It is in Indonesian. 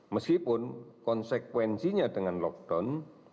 meskipun konsekuensinya dengan lockdown